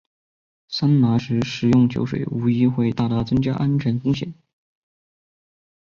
桑拿时食用酒水无疑会大大增加安全风险。